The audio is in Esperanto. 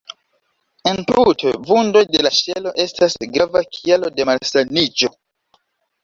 Entute, vundoj de la ŝelo estas grava kialo de malsaniĝo.